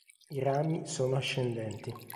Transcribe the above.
I rami sono ascendenti.